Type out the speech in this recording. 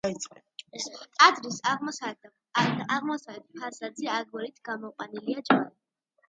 ტაძრის აღმოსავლეთ ფასადზე აგურით გამოყვანილია ჯვარი.